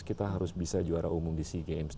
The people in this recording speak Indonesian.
kita harus bisa juara umum di sea games